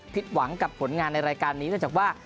หวังกับผลงานในรายการนี้เนื่องจากว่า